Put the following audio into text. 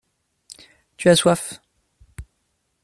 Tu as soif.